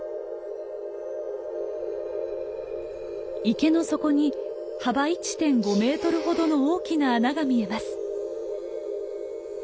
池の底に幅１．５メートルほどの大きな穴が見えます。